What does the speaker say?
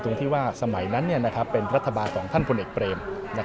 ตรงที่ว่าสมัยนั้นเป็นรัฐบาลของท่านพลเอกเปรม